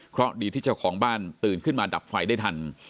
เพราะดีที่เจ้าของบ้านตื่นขึ้นมาดับไฟได้ทัน